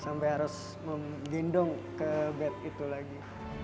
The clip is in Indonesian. sampai harus menggendong ke bed itu lagi